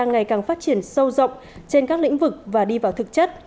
ngày càng phát triển sâu rộng trên các lĩnh vực và đi vào thực chất